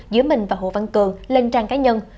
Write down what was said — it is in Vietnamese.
giữa mình và hồ văn cường lên trang cá nhân